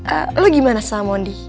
eh lu gimana sama mondi